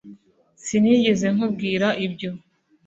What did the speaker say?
sinigeze nkubwira ibyo